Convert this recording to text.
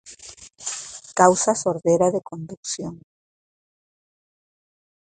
Causa sordera de conducción.